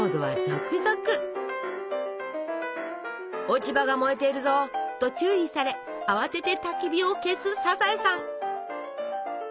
「落ち葉が燃えているぞ！」と注意され慌ててたき火を消すサザエさん。